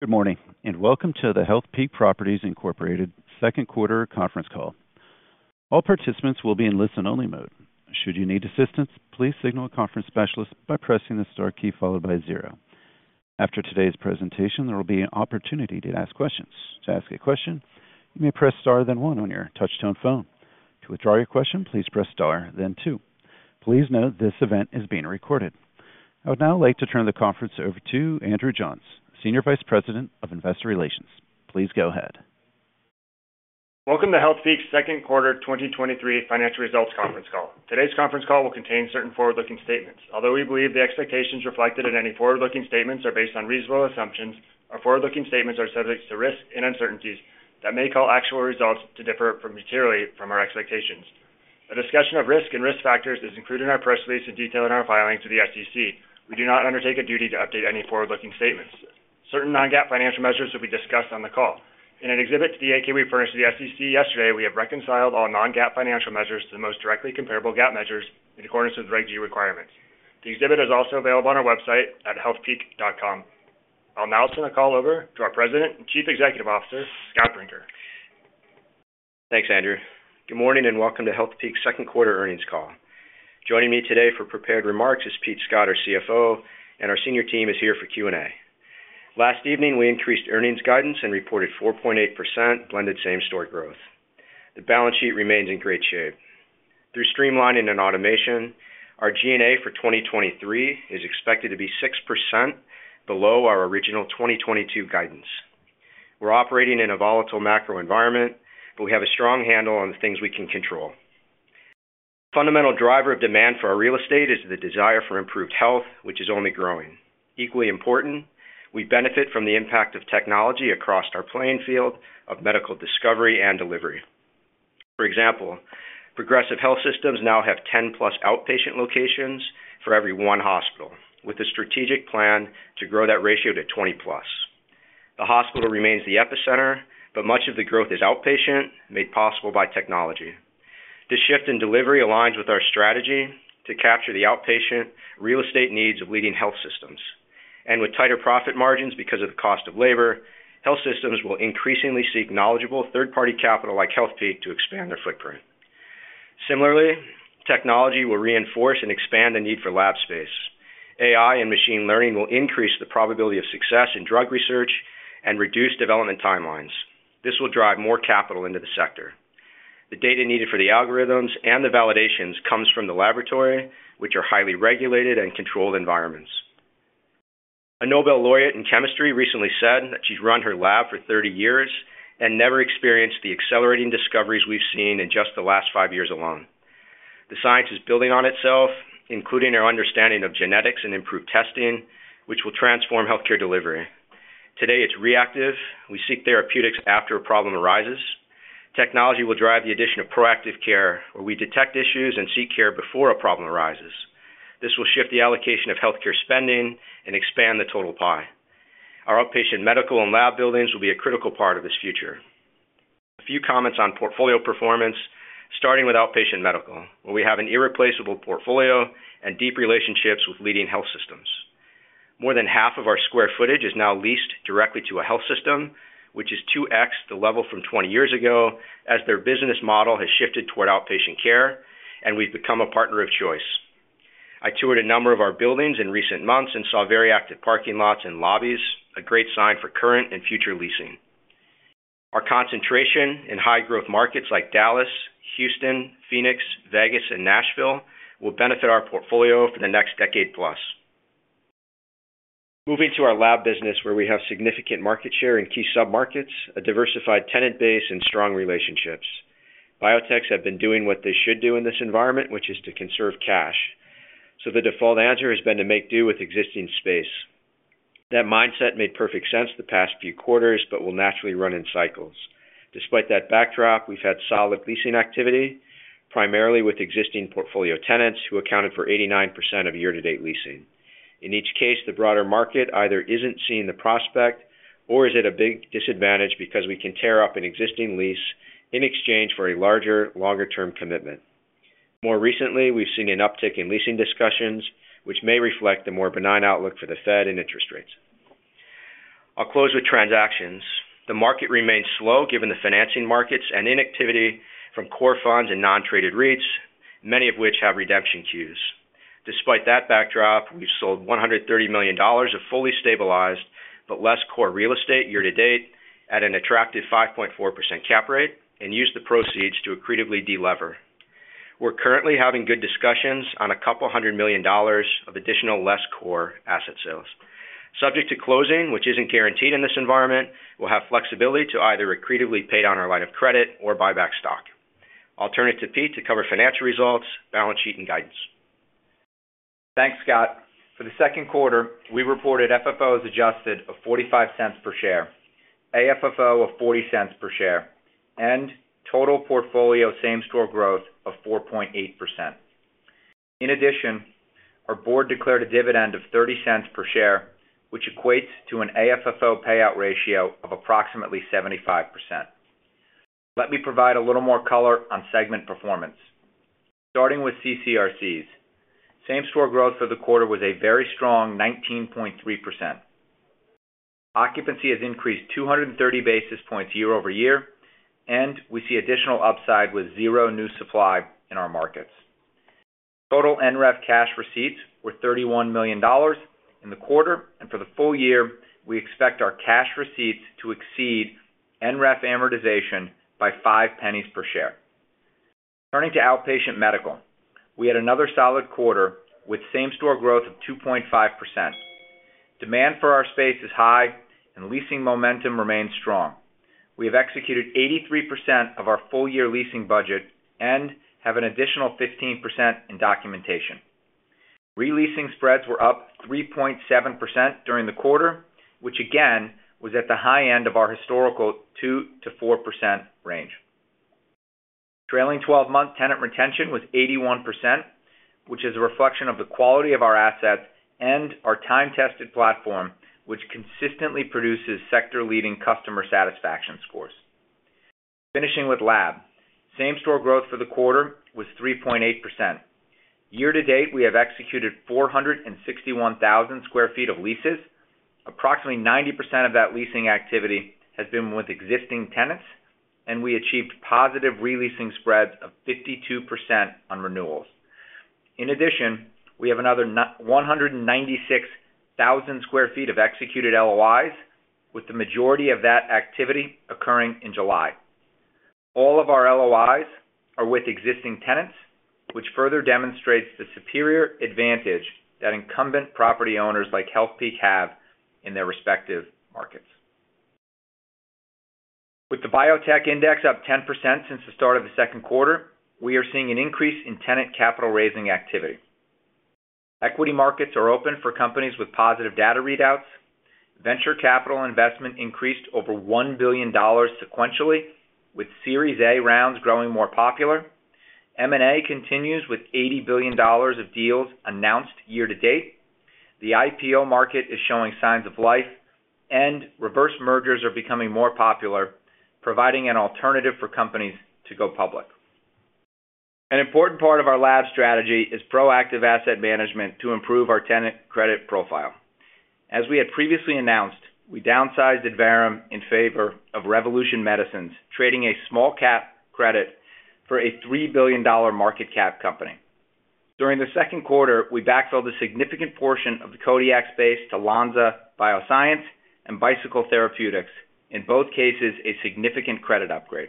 Good morning, and welcome to the Healthpeak Properties Incorporated second quarter conference call. All participants will be in listen-only mode. Should you need assistance, please signal a conference specialist by pressing the star key followed by zero. After today's presentation, there will be an opportunity to ask questions. To ask a question, you may press star, then one on your touchtone phone. To withdraw your question, please press star, then two. Please note this event is being recorded. I would now like to turn the conference over to Andrew Johns, Senior Vice President of Investor Relations. Please go ahead. Welcome to Healthpeak's second quarter 2023 financial results conference call. Today's conference call will contain certain forward-looking statements. We believe the expectations reflected in any forward-looking statements are based on reasonable assumptions, our forward-looking statements are subject to risks and uncertainties that may call actual results to differ from materially from our expectations. A discussion of risk and risk factors is included in our press release in detail in our filings to the SEC. We do not undertake a duty to update any forward-looking statements. Certain non-GAAP financial measures will be discussed on the call. In an exhibit to the 8-K we furnished to the SEC yesterday, we have reconciled all non-GAAP financial measures to the most directly comparable GAAP measures in accordance with Reg G requirements. The exhibit is also available on our website at healthpeak.com. I'll now turn the call over to our President and Chief Executive Officer, Scott Brinker. Thanks, Andrew. Good morning, and welcome to Healthpeak's second quarter earnings call. Joining me today for prepared remarks is Pete Scott, our CFO. Our senior team is here for Q&A. Last evening, we increased earnings guidance and reported 4.8% blended same-store growth. The balance sheet remains in great shape. Through streamlining and automation, our G&A for 2023 is expected to be 6% below our original 2022 guidance. We're operating in a volatile macro environment, but we have a strong handle on the things we can control. Fundamental driver of demand for our real estate is the desire for improved health, which is only growing. Equally important, we benefit from the impact of technology across our playing field of medical discovery and delivery. For example, progressive health systems now have 10+ outpatient locations for every one hospital, with a strategic plan to grow that ratio to 20+. The hospital remains the epicenter, much of the growth is outpatient, made possible by technology. This shift in delivery aligns with our strategy to capture the outpatient real estate needs of leading health systems. With tighter profit margins because of the cost of labor, health systems will increasingly seek knowledgeable third-party capital like Healthpeak to expand their footprint. Similarly, technology will reinforce and expand the need for Lab space. AI and machine learning will increase the probability of success in drug research and reduce development timelines. This will drive more capital into the sector. The data needed for the algorithms and the validations comes from the laboratory, which are highly regulated and controlled environments. A Nobel Laureate in chemistry recently said that she's run her lab for 30 years and never experienced the accelerating discoveries we've seen in just the last five years alone. The science is building on itself, including our understanding of genetics and improved testing, which will transform healthcare delivery. Today, it's reactive. We seek therapeutics after a problem arises. Technology will drive the addition of proactive care, where we detect issues and seek care before a problem arises. This will shift the allocation of healthcare spending and expand the total pie. Outpatient Medical and Lab buildings will be a critical part of this future. A few comments on portfolio performance, starting Outpatient Medical, where we have an irreplaceable portfolio and deep relationships with leading health systems. More than half of our square footage is now leased directly to a health system, which is 2x the level from 20 years ago, as their business model has shifted toward outpatient care, and we've become a partner of choice. I toured a number of our buildings in recent months and saw very active parking lots and lobbies, a great sign for current and future leasing. Our concentration in high-growth markets like Dallas, Houston, Phoenix, Vegas, and Nashville will benefit our portfolio for the next decade plus. Moving to our Lab business, where we have significant market share in key submarkets, a diversified tenant base, and strong relationships. Biotechs have been doing what they should do in this environment, which is to conserve cash. The default answer has been to make do with existing space. That mindset made perfect sense the past few quarters, will naturally run in cycles. Despite that backdrop, we've had solid leasing activity, primarily with existing portfolio tenants, who accounted for 89% of year-to-date leasing. In each case, the broader market either isn't seeing the prospect or is at a big disadvantage because we can tear up an existing lease in exchange for a larger, longer-term commitment. More recently, we've seen an uptick in leasing discussions, which may reflect the more benign outlook for the Fed and interest rates. I'll close with transactions. The market remains slow given the financing markets and inactivity from core funds and non-traded REITs, many of which have redemption queues. Despite that backdrop, we've sold $130 million of fully stabilized but less core real estate year-to-date at an attractive 5.4% cap rate and used the proceeds to accretively delever. We're currently having good discussions on $200 million of additional less core asset sales. Subject to closing, which isn't guaranteed in this environment, we'll have flexibility to either accretively pay down our line of credit or buy back stock. I'll turn it to Pete to cover financial results, balance sheet, and guidance. Thanks, Scott. For the second quarter, we reported FFOs Adjusted of $0.45 per share, AFFO of $0.40 per share, and total portfolio same-store Growth of 4.8%. In addition, our Board declared a dividend of $0.30 per share, which equates to an AFFO payout ratio of approximately 75%. Let me provide a little more color on segment performance. Starting with CCRCs, same-store growth for the quarter was a very strong 19.3%. Occupancy has increased 230 basis points year-over-year. We see additional upside with zero new supply in our markets. Total NREF cash receipts were $31 million in the quarter. For the full year, we expect our cash receipts to exceed NREF amortization by $0.05 per share. Turning Outpatient Medical, we had another solid quarter with same-store growth of 2.5%. Demand for our space is high. Leasing momentum remains strong. We have executed 83% of our full-year leasing budget and have an additional 15% in documentation. Releasing spreads were up 3.7% during the quarter, which again, was at the high end of our historical 2%-4% range. Trailing 12-month tenant retention was 81%, which is a reflection of the quality of our assets and our time-tested platform, which consistently produces sector-leading customer satisfaction scores. Finishing with Lab, same-store growth for the quarter was 3.8%. Year-to-date, we have executed 461,000 sq ft of leases. Approximately 90% of that leasing activity has been with existing tenants, and we achieved positive releasing spreads of 52% on renewals. In addition, we have another 196,000 sq ft of executed LOIs, with the majority of that activity occurring in July. All of our LOIs are with existing tenants, which further demonstrates the superior advantage that incumbent property owners like Healthpeak have in their respective markets. With the biotech index up 10% since the start of the second quarter, we are seeing an increase in tenant capital raising activity. Equity markets are open for companies with positive data readouts. Venture capital investment increased over $1 billion sequentially, with Series A rounds growing more popular. M&A continues with $80 billion of deals announced year-to-date. The IPO market is showing signs of life, and reverse mergers are becoming more popular, providing an alternative for companies to go public. An important part of our Lab strategy is proactive asset management to improve our tenant credit profile. As we had previously announced, we downsized Adverum in favor of Revolution Medicines, trading a small cap credit for a $3 billion market cap company. During the second quarter, we backfilled a significant portion of the Codiak space to Lonza Bioscience and Bicycle Therapeutics. In both cases, a significant credit upgrade.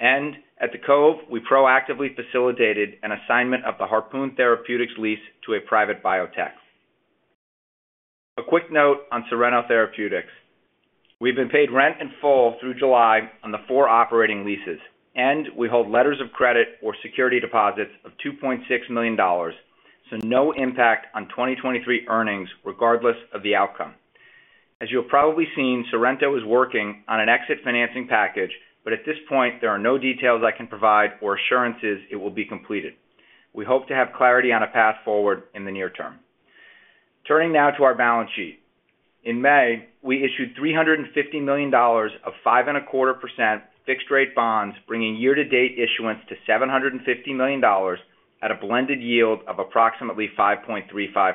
At The Cove, we proactively facilitated an assignment of the Harpoon Therapeutics lease to a private biotech. A quick note on Sorrento Therapeutics. We've been paid rent in full through July on the four operating leases, and we hold letters of credit or security deposits of $2.6 million, so no impact on 2023 earnings, regardless of the outcome. As you have probably seen, Sorrento is working on an exit financing package, but at this point, there are no details I can provide or assurances it will be completed. We hope to have clarity on a path forward in the near term. Turning now to our balance sheet. In May, we issued $350 million of 5.25% fixed-rate bonds, bringing year-to-date issuance to $750 million at a blended yield of approximately 5.35%.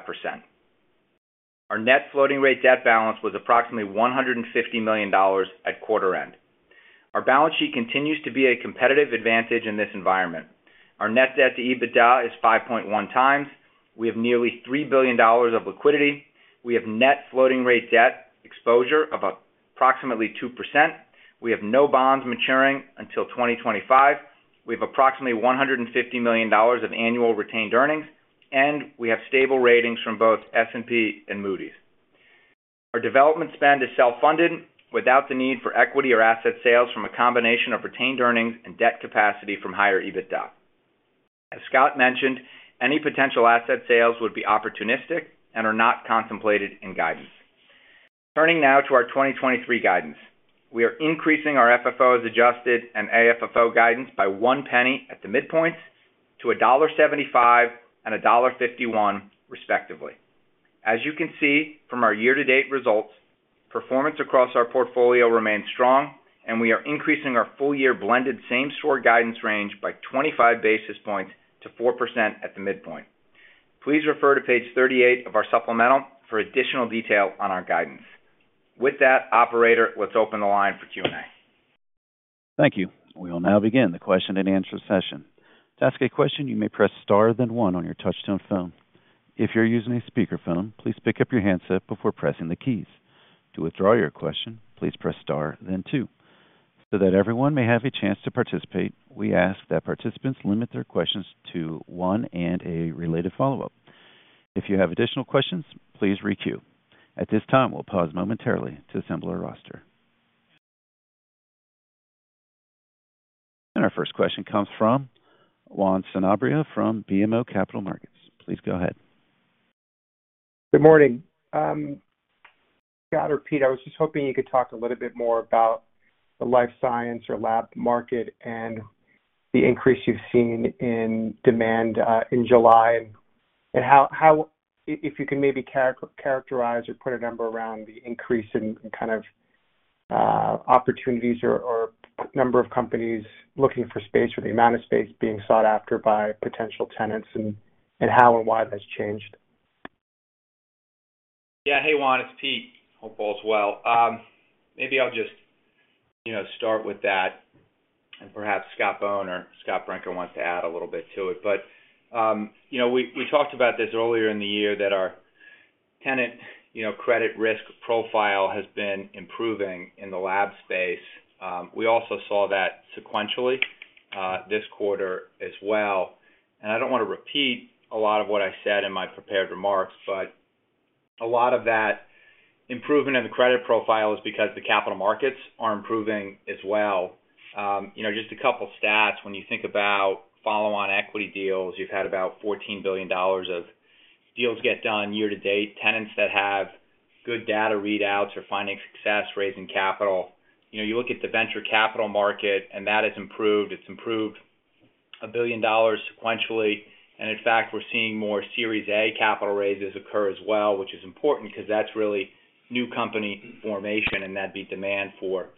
Our net floating rate debt balance was approximately $150 million at quarter end. Our balance sheet continues to be a competitive advantage in this environment. Our net debt to EBITDA is 5.1x. We have nearly $3 billion of liquidity. We have net floating rate debt exposure of approximately 2%. We have no bonds maturing until 2025. We have approximately $150 million of annual retained earnings, and we have stable ratings from both S&P and Moody's. Our development spend is self-funded without the need for equity or asset sales from a combination of retained earnings and debt capacity from higher EBITDA. As Scott mentioned, any potential asset sales would be opportunistic and are not contemplated in guidance. Turning now to our 2023 guidance. We are increasing our AFFO as Adjusted and AFFO guidance by $0.01 at the midpoint to $1.75 and $1.51, respectively. As you can see from our year-to-date results, performance across our portfolio remains strong, and we are increasing our full-year blended same-store guidance range by 25 basis points to 4% at the midpoint. Please refer to page 38 of our supplemental for additional detail on our guidance. With that, operator, let's open the line for Q&A. Thank you. We will now begin the question-and-answer session. To ask a question, you may press star, then one on your touchtone phone. If you're using a speakerphone, please pick up your handset before pressing the keys. To withdraw your question, please press star then two. That everyone may have a chance to participate, we ask that participants limit their questions to one and a related follow-up. If you have additional questions, please re-queue. At this time, we'll pause momentarily to assemble our roster. Our first question comes from Juan Sanabria from BMO Capital Markets. Please go ahead. Good morning, Scott or Pete, I was just hoping you could talk a little bit more about the Life Science or Lab market and the increase you've seen in demand in July? And if you can maybe characterize or put a number around the increase in kind of opportunities or number of companies looking for space or the amount of space being sought after by potential tenants, and how and why that's changed? Yeah. Hey, Juan, it's Pete. Hope all is well. maybe I'll just, you know, start with that, and perhaps Scott Bohn or Scott Brinker wants to add a little bit to it. you know, we, we talked about this earlier in the year, that our tenant, you know, credit risk profile has been improving in the Lab space. We also saw that sequentially, this quarter as well. I don't wanna repeat a lot of what I said in my prepared remarks, but a lot of that improvement in the credit profile is because the capital markets are improving as well. you know, just a couple stats. When you think about follow-on equity deals, you've had about $14 billion of deals get done year-to-date, tenants that have good data readouts are finding success, raising capital. You know, you look at the venture capital market, that has improved. It's improved $1 billion sequentially. In fact, we're seeing more Series A capital raises occur as well, which is important because that's really new company formation, and that'd be demand for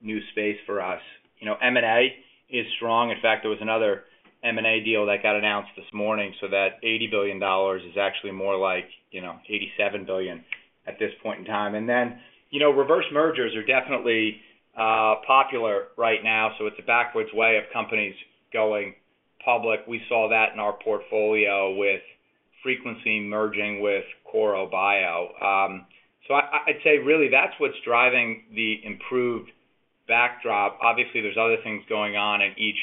new space for us. You know, M&A is strong. In fact, there was another M&A deal that got announced this morning, so that $80 billion is actually more like, you know, $87 billion at this point in time. Then, you know, reverse mergers are definitely popular right now, so it's a backwards way of companies going public. We saw that in our portfolio with Frequency merging with Korro Bio. So I'd say really, that's what's driving the improved backdrop. Obviously, there's other things going on in each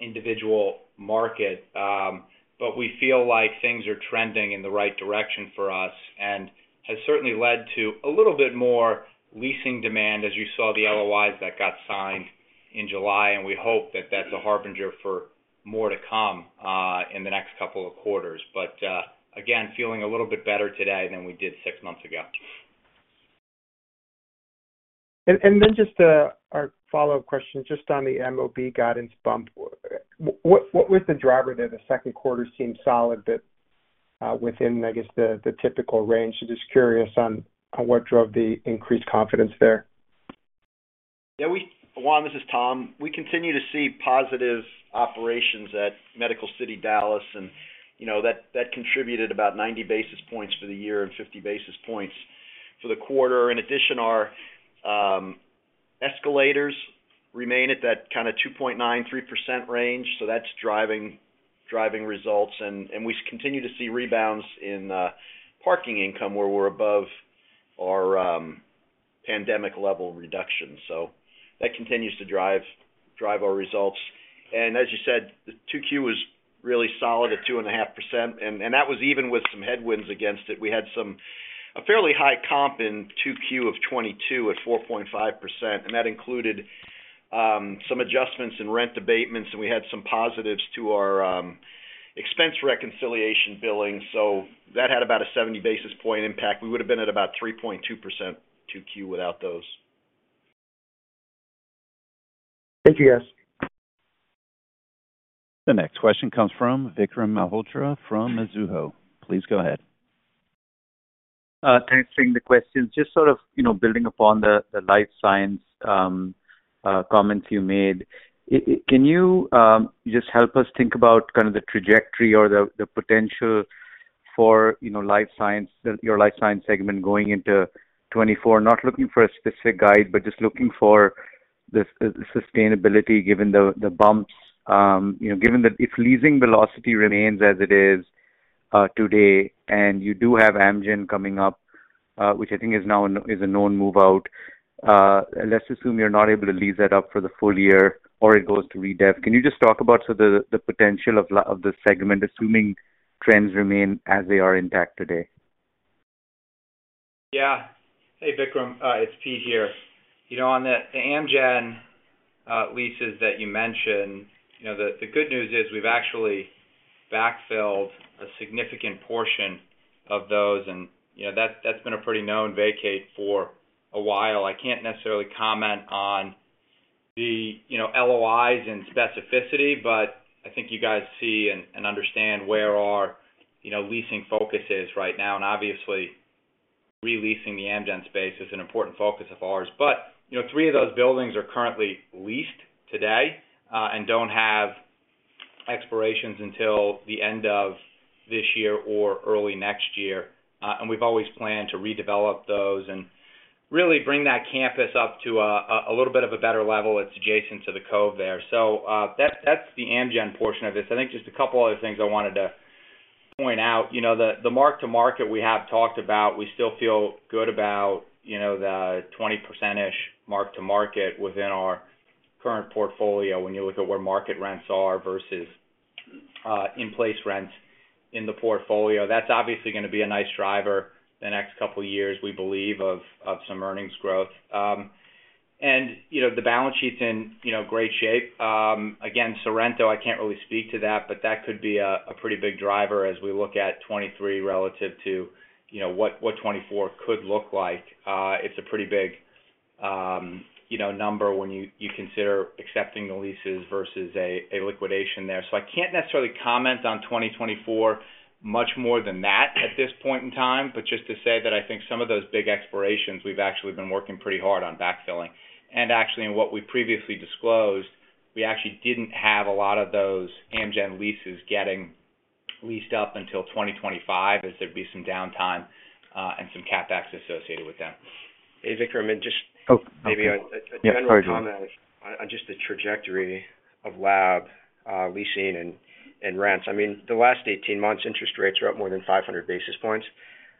individual market, but we feel like things are trending in the right direction for us, and has certainly led to a little bit more leasing demand, as you saw the LOIs that got signed in July, and we hope that that's a harbinger for more to come in the next couple of quarters. Again, feeling a little bit better today than we did six months ago. Just, our follow-up question, just on the MOB guidance bump. What, what was the driver there? The second quarter seemed solid, but, within, I guess, the, the typical range. Just curious on, on what drove the increased confidence there. Yeah, Juan, this is Tom. We continue to see positive operations at Medical City Dallas, and, you know, that, that contributed about 90 basis points for the year and 50 basis points for the quarter. In addition, our escalators remain at that kind of 2.9%-3% range, so that's driving, driving results. We continue to see rebounds in parking income, where we're above our pandemic-level reduction. That continues to drive, drive our results. As you said, the 2Q was really solid at 2.5%, and that was even with some headwinds against it. We had a fairly high comp in 2Q of 2022 at 4.5%, and that included some adjustments in rent abatements, and we had some positives to our expense reconciliation billing. That had about a 70 basis point impact. We would've been at about 3.2% 2Q without those. Thank you, guys. The next question comes from Vikram Malhotra from Mizuho. Please go ahead. Thanks for taking the questions. Just sort of, you know, building upon the Life Science comments you made, can you just help us think about kind of the trajectory or the potential for, you know, Life Science, your Life Science segment going into 2024? Not looking for a specific guide, but just looking for the sustainability, given the bumps, you know, given that if leasing velocity remains as it is today, and you do have Amgen coming up, which I think is now an, is a known move out, let's assume you're not able to lease that up for the full year, or it goes to redev. Can you just talk about sort of the potential of this segment, assuming trends remain as they are intact today? Yeah. Hey, Vikram, it's Pete here. You know, on the, the Amgen leases that you mentioned, you know, the, the good news is we've actually backfilled a significant portion of those, and, you know, that's, that's been a pretty known vacate for a while. I can't necessarily comment on the, you know, LOIs in specificity, but I think you guys see and, and understand where our, you know, leasing focus is right now. Obviously, re-leasing the Amgen space is an important focus of ours. You know, three of those buildings are currently leased today, and don't have expirations until the end of this year or early next year. We've always planned to redevelop those and really bring that campus up to a little bit of a better level. It's adjacent to The Cove there. That's, that's the Amgen portion of this. I think just a couple other things I wanted to point out. You know, the, the mark-to-market we have talked about, we still feel good about, you know, the 20%-ish mark-to-market within our current portfolio when you look at where market rents are versus in-place rents in the portfolio. That's obviously gonna be a nice driver the next couple of years, we believe, of, of some earnings growth. And, you know, the balance sheet's in, you know, great shape. Again, Sorrento, I can't really speak to that, but that could be a, a pretty big driver as we look at 2023 relative to, you know, what, what 2024 could look like. It's a pretty big... you know, number when you, you consider accepting the leases versus a, a liquidation there. I can't necessarily comment on 2024 much more than that at this point in time, but just to say that I think some of those big expirations, we've actually been working pretty hard on backfilling. Actually, in what we previously disclosed, we actually didn't have a lot of those Amgen leases getting leased up until 2025, as there'd be some downtime, and some CapEx associated with them. Hey, Vikram. Oh, oh, yeah, sorry. Maybe a general comment on just the trajectory of lab, leasing and rents. I mean, the last 18 months, interest rates are up more than 500 basis points.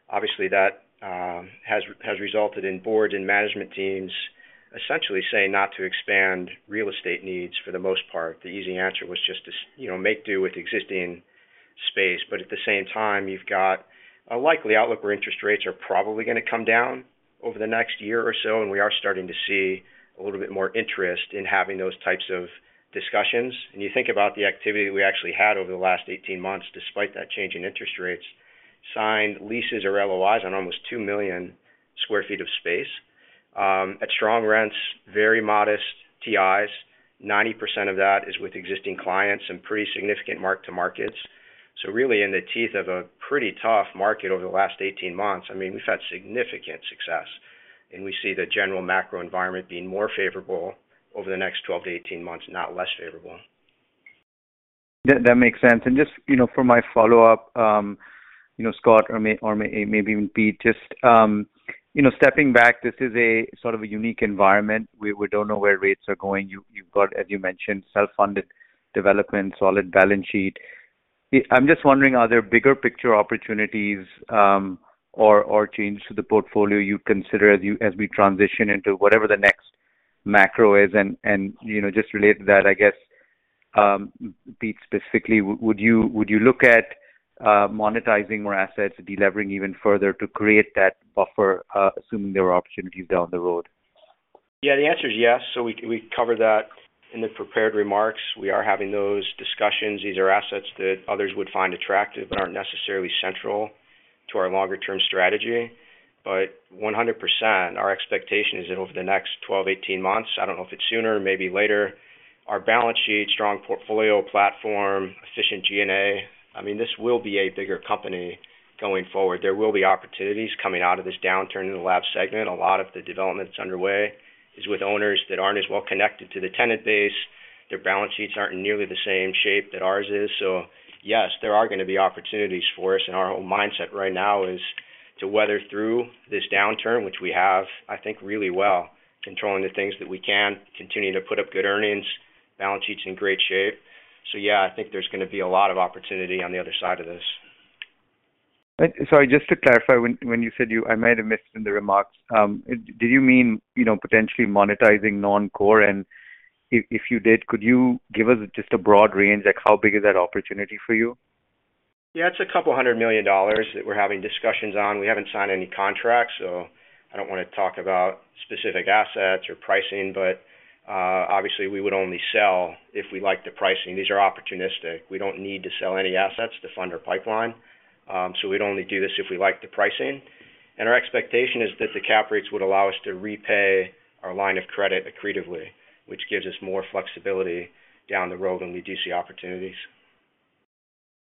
Obviously, that has resulted in board and management teams essentially saying not to expand real estate needs for the most part. The easy answer was just to, you know, make do with existing space. At the same time, you've got a likely outlook where interest rates are probably gonna come down over the next year or so, and we are starting to see a little bit more interest in having those types of discussions. When you think about the activity we actually had over the last 18 months, despite that change in interest rates, signed leases or LOIs on almost 2 million sq ft of space, at strong rents, very modest TIs. 90% of that is with existing clients and pretty significant mark-to-markets. Really, in the teeth of a pretty tough market over the last 18 months, I mean, we've had significant success, and we see the general macro environment being more favorable over the next 12-18 months, not less favorable. That, that makes sense. Just, you know, for my follow-up, you know, Scott, or maybe even Pete, just, you know, stepping back, this is a sort of a unique environment. We, we don't know where rates are going. You've, you've got, as you mentioned, self-funded development, solid balance sheet. I'm just wondering, are there bigger picture opportunities, or, or changes to the portfolio you'd consider as we transition into whatever the next macro is? Just, you know, related to that, I guess, Pete, specifically, would you, would you look at, monetizing more assets, delevering even further to create that buffer, assuming there are opportunities down the road? Yeah, the answer is yes. We covered that in the prepared remarks. We are having those discussions. These are assets that others would find attractive, but aren't necessarily central to our longer-term strategy. 100%, our expectation is that over the next 12, 18 months, I don't know if it's sooner or maybe later, our balance sheet, strong portfolio platform, efficient G&A, I mean, this will be a bigger company going forward. There will be opportunities coming out of this downturn in the Lab segment. A lot of the development that's underway is with owners that aren't as well connected to the tenant base. Their balance sheets aren't in nearly the same shape that ours is. Yes, there are gonna be opportunities for us, and our whole mindset right now is to weather through this downturn, which we have, I think, really well, controlling the things that we can, continuing to put up good earnings. Balance sheet's in great shape. Yeah, I think there's gonna be a lot of opportunity on the other side of this. Sorry, just to clarify, when, when you said you... I might have missed it in the remarks. Did you mean, you know, potentially monetizing non-core? If, if you did, could you give us just a broad range, like, how big is that opportunity for you? Yeah, it's $200 million that we're having discussions on. We haven't signed any contracts, so I don't wanna talk about specific assets or pricing, but obviously, we would only sell if we like the pricing. These are opportunistic. We don't need to sell any assets to fund our pipeline, so we'd only do this if we like the pricing. Our expectation is that the cap rates would allow us to repay our line of credit accretively, which gives us more flexibility down the road when we do see opportunities.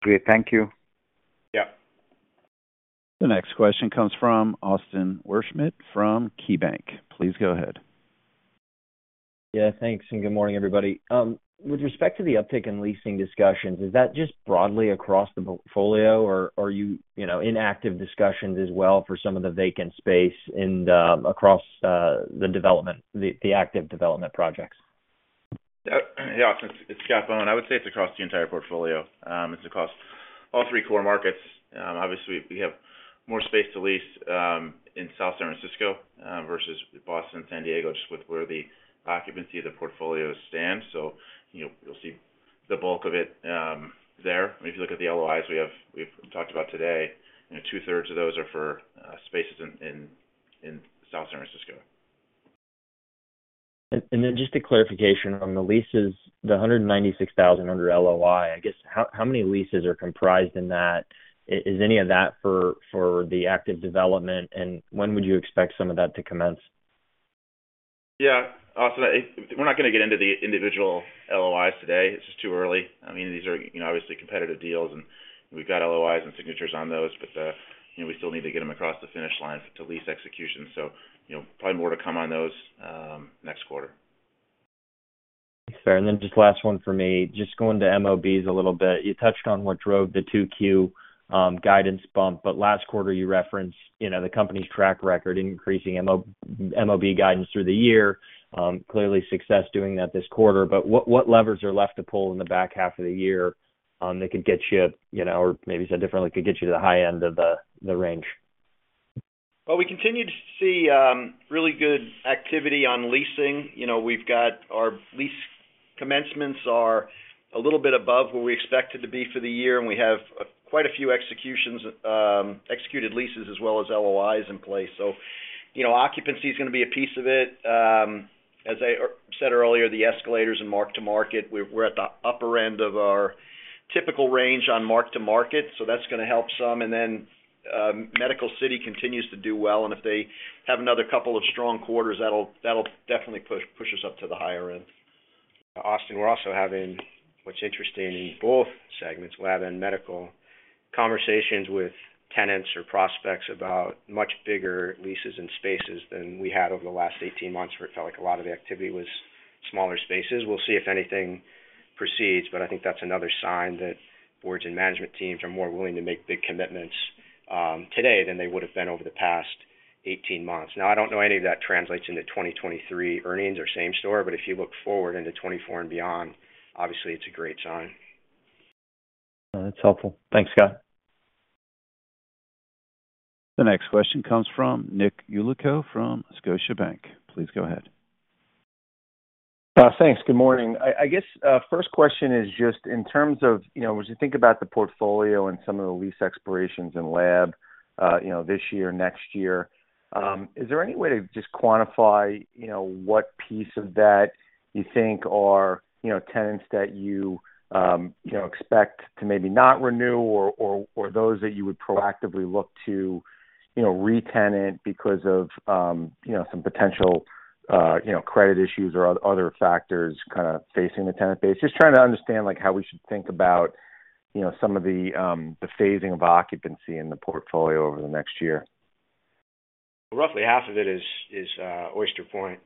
Great. Thank you. Yeah. The next question comes from Austin Wurschmidt from KeyBanc Please go ahead. Yeah, thanks, and good morning, everybody. With respect to the uptick in leasing discussions, is that just broadly across the portfolio, or, are you, you know, in active discussions as well for some of the vacant space across the development, the active development projects? Yeah, Austin, it's Scott Bohn. I would say it's across the entire portfolio. It's across all three core markets. Obviously, we have more space to lease in South San Francisco versus Boston and San Diego, just with where the occupancy of the portfolio stands. You know, you'll see the bulk of it there. If you look at the LOIs we've talked about today, you know, 2/3 of those are for spaces in South San Francisco. And then just a clarification on the leases, the 196,000 under LOI, I guess, how many leases are comprised in that? Is any of that for the active development, and when would you expect some of that to commence? Yeah. Austin, we're not gonna get into the individual LOIs today. It's just too early. I mean, these are, you know, obviously competitive deals, and we've got LOIs and signatures on those, but, you know, we still need to get them across the finish line to lease execution. You know, probably more to come on those next quarter. Fair. Then just last one for me. Just going to MOBs a little bit, you touched on what drove the 2Q guidance bump, but last quarter, you referenced, you know, the company's track record, increasing MOB, MOB guidance through the year. Clearly success doing that this quarter. What, what levers are left to pull in the back half of the year that could get you, you know, or maybe said differently, could get you to the high end of the range? Well, we continue to see really good activity on leasing. You know, we've got. Our lease commencements are a little bit above where we expected to be for the year, and we have quite a few executions, executed leases as well as LOIs in place. You know, occupancy is gonna be a piece of it. As I said earlier, the escalators and mark-to-market, we're at the upper end of our typical range on mark-to-market, so that's gonna help some. Medical City continues to do well, and if they have another couple of strong quarters, that'll definitely push us up to the higher end. Austin, we're also having what's interesting in both segments, Lab and Medical, conversations with tenants or prospects about much bigger leases and spaces than we had over the last 18 months, where it felt like a lot of the activity was smaller spaces. We'll see if anything proceeds, but I think that's another sign that boards and management teams are more willing to make big commitments today than they would have been over the past 18 months. I don't know any of that translates into 2023 earnings or same-store, but if you look forward into 2024 and beyond, obviously it's a great sign. That's helpful. Thanks, Scott. The next question comes from Nick Yulico from Scotiabank. Please go ahead. Thanks. Good morning. I, I guess, first question is just in terms of, you know, as you think about the portfolio and some of the lease expirations in lab, you know, this year, next year, is there any way to just quantify, you know, what piece of that you think are, you know, tenants that you, you know, expect to maybe not renew or, or, or those that you would proactively look to, you know, retenant because of, you know, some potential, you know, credit issues or other factors kind of facing the tenant base? Just trying to understand, like, how we should think about, you know, some of the, the phasing of occupancy in the portfolio over the next year? Roughly half of it is, is Oyster Point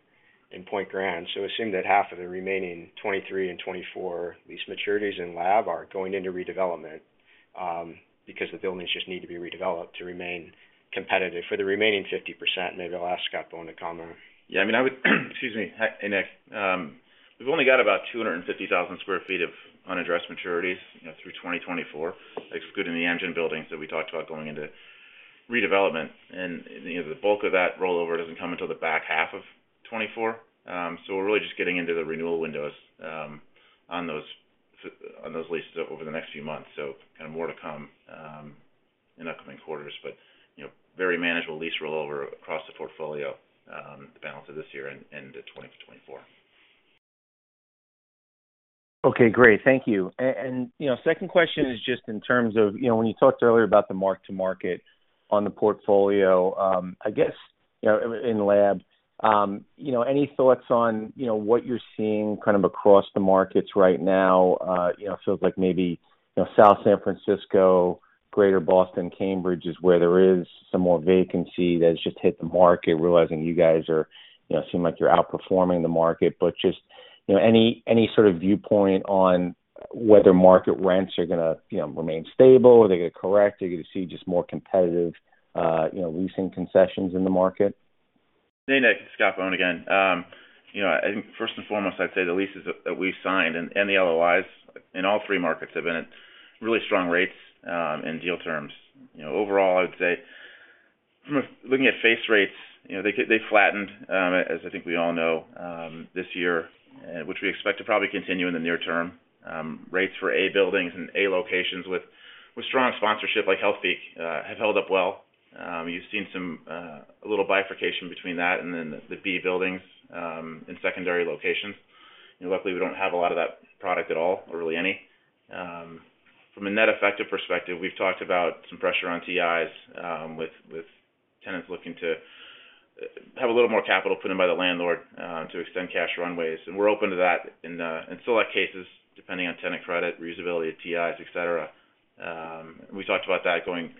and Point Grand. Assume that half of the remaining 2023 and 2024 lease maturities in lab are going into redevelopment because the buildings just need to be redeveloped to remain competitive. The remaining 50%, maybe I'll ask Scott Bohn to comment. Yeah, I mean, I would... Excuse me. Hey, Nick, we've only got about 250,000 sq ft of unaddressed maturities, you know, through 2024, excluding the Amgen buildings that we talked about going into redevelopment. you know, the bulk of that rollover doesn't come until the back half of 2024. we're really just getting into the renewal windows on those leases over the next few months. kind of more to come in upcoming quarters, but, you know, very manageable lease rollover across the portfolio, the balance of this year and to 2024. Okay, great. Thank you. You know, second question is just in terms of, you know, when you talked earlier about the mark-to-market on the portfolio, I guess, you know, in Lab, you know, any thoughts on, you know, what you're seeing kind of across the markets right now? You know, feels like maybe, you know, South San Francisco, Greater Boston, Cambridge, is where there is some more vacancy that has just hit the market, realizing you guys are, you know, seem like you're outperforming the market. Just, you know, any, any sort of viewpoint on whether market rents are gonna, you know, remain stable or they get correct? Are you gonna see just more competitive, you know, leasing concessions in the market? Hey, Nick, Scott Bohn again. You know, I think first and foremost, I'd say the leases that, that we've signed and, and the LOIs in all three markets have been at really strong rates in deal terms. You know, overall, I would say, looking at face rates, you know, they flattened, as I think we all know, this year, which we expect to probably continue in the near term. Rates for A buildings and A locations with, with strong sponsorship like Healthpeak, have held up well. You've seen some a little bifurcation between that and then the B buildings, and secondary locations. Luckily, we don't have a lot of that product at all, or really any. From a net effective perspective, we've talked about some pressure on TIs, with, with tenants looking to have a little more capital put in by the landlord, to extend cash runways. We're open to that in, in select cases, depending on tenant credit, reusability of TIs, et cetera. We talked about that going,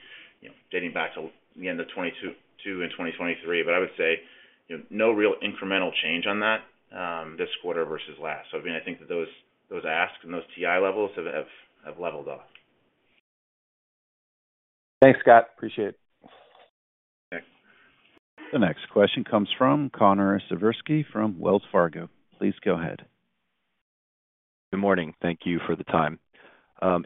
you know, dating back to the end of 2022 and 2023. I would say, you know, no real incremental change on that, this quarter versus last. I mean, I think that those, those asks and those TI levels have, have, have leveled off. Thanks, Scott. Appreciate it. Thanks. The next question comes from Connor Siversky from Wells Fargo. Please go ahead. Good morning. Thank you for the time.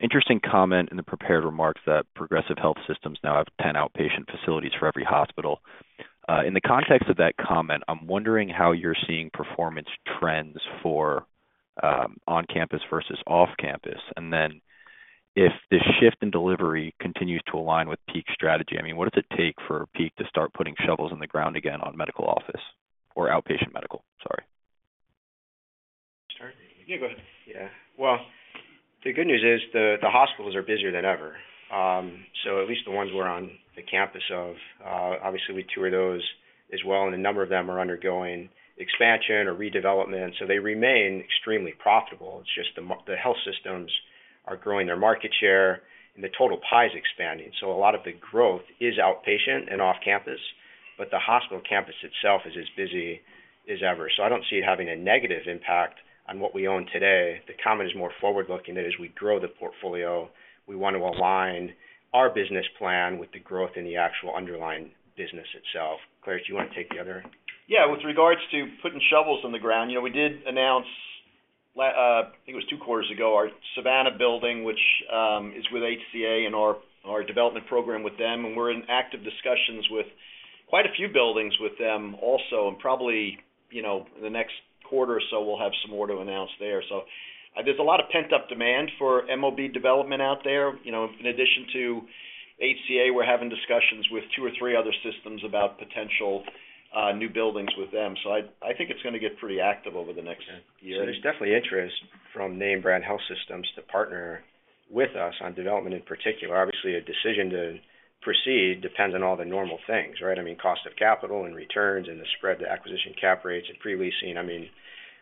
Interesting comment in the prepared remarks that progressive health systems now have 10 outpatient facilities for every hospital. In the context of that comment, I'm wondering how you're seeing performance trends for on-campus versus off-campus. Then if this shift in delivery continues to align with Healthpeak strategy, I mean, what does it take for Healthpeak to start putting shovels in the ground again on medical office Outpatient Medical? sorry. Start? Yeah, go ahead. Yeah. Well, the good news is the hospitals are busier than ever. At least the ones we're on the campus of, obviously, we tour those as well, and a number of them are undergoing expansion or redevelopment, so they remain extremely profitable. It's just the health systems are growing their market share, and the total pie is expanding. A lot of the growth is outpatient and off-campus, but the hospital campus itself is as busy as ever. I don't see it having a negative impact on what we own today. The comment is more forward-looking, that as we grow the portfolio, we want to align our business plan with the growth in the actual underlying business itself. Klaritch, do you want to take the other? Yeah. With regards to putting shovels in the ground, you know, we did announce, I think it was two quarters ago, our Savannah building, which is with HCA and our, our development program with them, and we're in active discussions with quite a few buildings with them also, and probably, you know, in the next quarter or so, we'll have some more to announce there.... There's a lot of pent-up demand for MOB development out there. You know, in addition to HCA, we're having discussions with two or three other systems about potential new buildings with them. I think it's gonna get pretty active over the next year. There's definitely interest from name brand health systems to partner with us on development, in particular. Obviously, a decision to proceed depends on all the normal things, right? I mean, cost of capital and returns and the spread to acquisition cap rates and pre-leasing. I mean,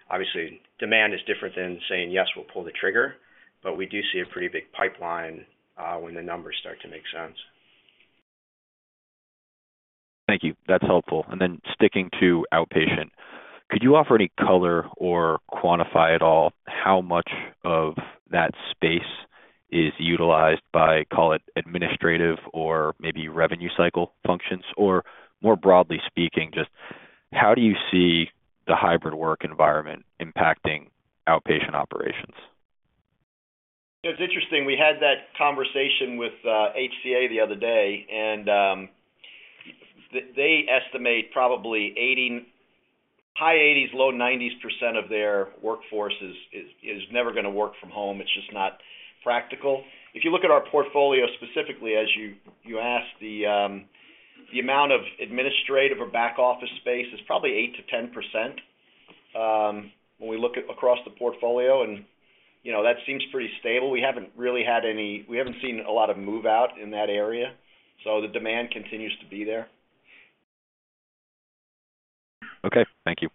obviously, demand is different than saying, "Yes, we'll pull the trigger," but we do see a pretty big pipeline when the numbers start to make sense. Thank you. That's helpful. Then sticking to outpatient, could you offer any color or quantify at all how much of that space is utilized by, call it, administrative or maybe revenue cycle functions? More broadly speaking, just how do you see the hybrid work environment impacting outpatient operations? It's interesting, we had that conversation with HCA the other day, and they estimate probably 80%-high 80s%, low 90s% of their workforce is never gonna work from home. It's just not practical. If you look at our portfolio, specifically, as you, you asked, the amount of administrative or back office space, is probably 8%-10%, when we look at across the portfolio and, you know, that seems pretty stable. We haven't really had any We haven't seen a lot of move-out in that area, so the demand continues to be there. Okay, thank you.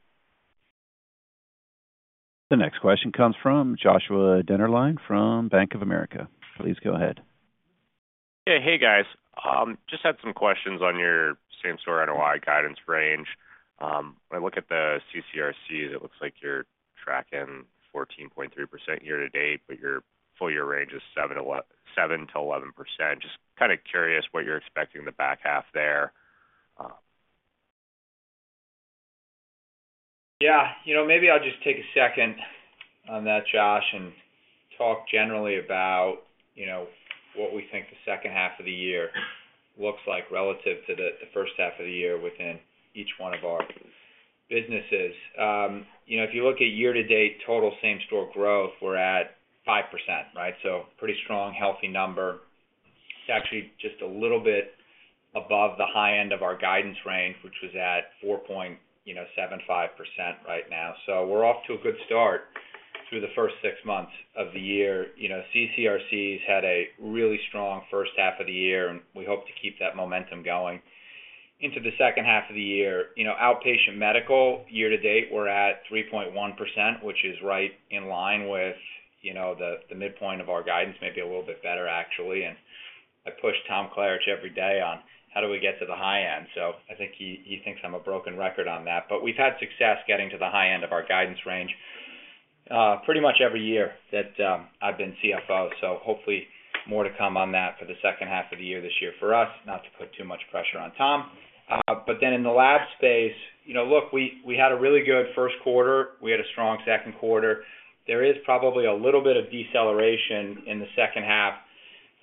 The next question comes from Joshua Dennerlein, from Bank of America. Please go ahead. Yeah. Hey, guys. Just had some questions on your same-store NOI guidance range. When I look at the CCRC, it looks like you're tracking 14.3% year-to-date, but your full year range is 7%-11%. Just kind of curious what you're expecting in the back half there? Yeah. You know, maybe I'll just take a second on that, Josh, and talk generally about, you know, what we think the second half of the year looks like relative to the, the first half of the year within each one of our businesses. You know, if you look at year-to-date total same-store growth, we're at 5%, right? Pretty strong, healthy number. It's actually just a little bit above the high end of our guidance range, which was at 4.75% right now. We're off to a good start through the first six months of the year. You know, CCRCs had a really strong first half of the year, and we hope to keep that momentum going into the second half of the year. You Outpatient Medical, year-to-date, we're at 3.1%, which is right in line with, you know, the midpoint of our guidance, maybe a little bit better, actually. I push Tom Klaritch every day on how do we get to the high end. I think he thinks I'm a broken record on that, but we've had success getting to the high end of our guidance range pretty much every year that I've been CFO, so hopefully more to come on that for the second half of the year, this year for us, not to put too much pressure on Tom. In the Lab space, you know, look, we had a really good first quarter. We had a strong second quarter. There is probably a little bit of deceleration in the second half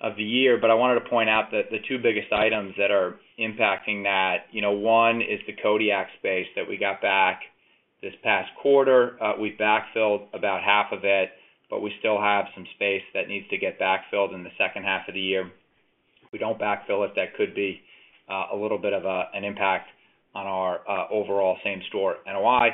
of the year, but I wanted to point out that the two biggest items that are impacting that, you know, one is the Codiak space that we got back this past quarter. We backfilled about half of it, but we still have some space that needs to get backfilled in the second half of the year. If we don't backfill it, that could be a little bit of an impact on our overall same-store NOI.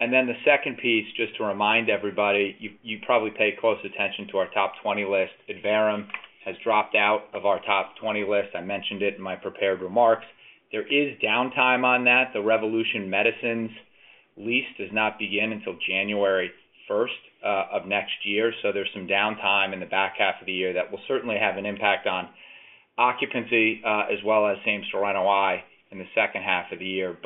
The second piece, just to remind everybody, you, you probably pay close attention to our top 20 list. Adverum has dropped out of our top 20 list. I mentioned it in my prepared remarks. There is downtime on that. The Revolution Medicines lease does not begin until January 1st of next year. There's some downtime in the back half of the year that will certainly have an impact on occupancy, as well as same store NOI in the second half of the year.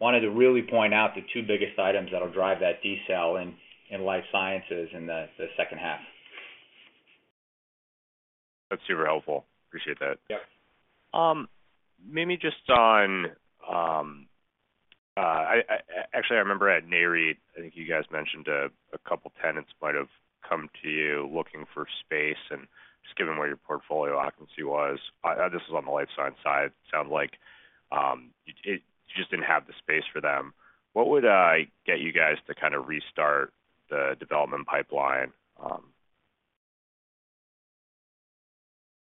Wanted to really point out the two biggest items that will drive that decel in Life Sciences in the second half. That's super helpful. Appreciate that. Yeah. Maybe just on, actually, I remember at Nareit, I think you guys mentioned a, a couple tenants might have come to you looking for space. Just given where your portfolio occupancy was, this is on the Life Science side, it sounded like, you just didn't have the space for them. What would I get you guys to kind of restart the development pipeline? Yeah,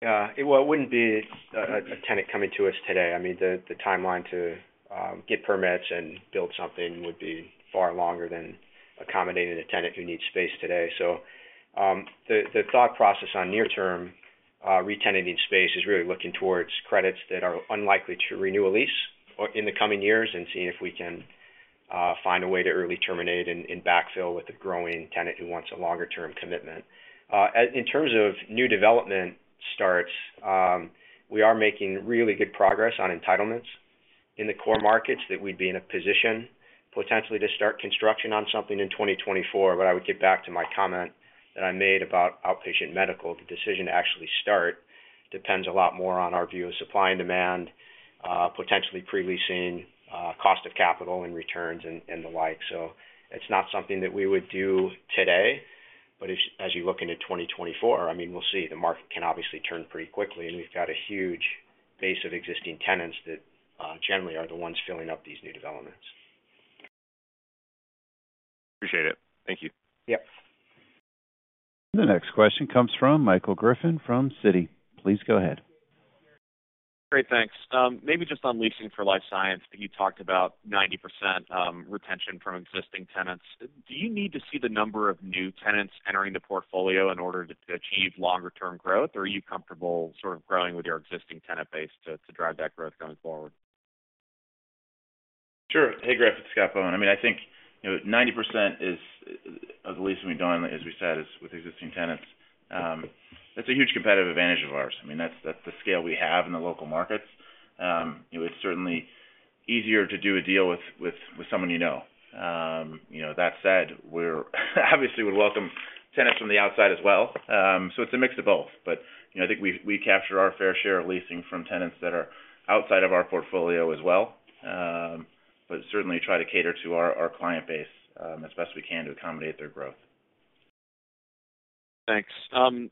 well, it wouldn't be a, a tenant coming to us today. I mean, the, the timeline to get permits and build something would be far longer than accommodating a tenant who needs space today. The, the thought process on near-term re-tenanting space is really looking towards credits that are unlikely to renew a lease or in the coming years, and seeing if we can find a way to early terminate and, and backfill with a growing tenant who wants a longer-term commitment. In terms of new development starts, we are making really good progress on entitlements in the core markets, that we'd be in a position potentially to start construction on something in 2024. I would get back to my comment that I made about Outpatient Medical. The decision to actually start depends a lot more on our view of supply and demand, potentially pre-leasing, cost of capital and returns, and the like. It's not something that we would do today, but as you look into 2024, I mean, we'll see. The market can obviously turn pretty quickly, and we've got a huge base of existing tenants that generally are the ones filling up these new developments. Appreciate it. Thank you. Yep. The next question comes from Michael Griffin from Citi. Please go ahead. Great, thanks. Maybe just on leasing for Life Science, you talked about 90% retention from existing tenants. Do you need to see the number of new tenants entering the portfolio in order to, to achieve longer term growth? Are you comfortable sort of growing with your existing tenant base to, to drive that growth going forward? Sure. Hey, Griff, it's Scott Bohn. I mean, I think, you know, 90% of the leasing we've done, as we said, is with existing tenants. That's a huge competitive advantage of ours. I mean, that's the scale we have in the local markets. It was certainly easier to do a deal with someone you know. You know, that said, we're obviously, we welcome tenants from the outside as well. It's a mix of both. You know, I think we, we capture our fair share of leasing from tenants that are outside of our portfolio as well. Certainly try to cater to our client base, as best we can to accommodate their growth. Thanks. Then